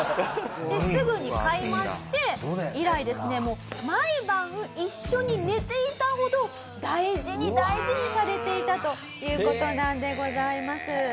すぐに買いまして以来ですねもう毎晩一緒に寝ていたほど大事に大事にされていたという事なんでございます。